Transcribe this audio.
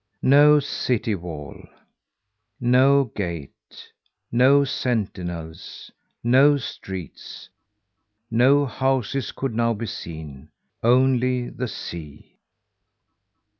No city wall, no gate, no sentinels, no streets, no houses could now be seen only the sea.